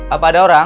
apa ada orang